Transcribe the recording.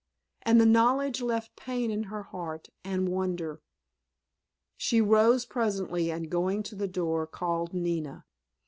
And the knowledge left pain in her heart, and wonder. She rose presently and going to the door called Nina.